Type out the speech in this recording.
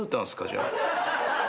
じゃあ。